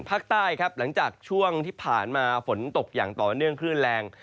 ภาคใต้ครับหลังจากช่วงที่ผ่านมาฝนตกอย่างต่อเนื่องคลื่นแรง